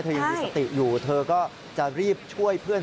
ยังมีสติอยู่เธอก็จะรีบช่วยเพื่อน